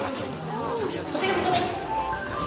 お手紙ちょうだい！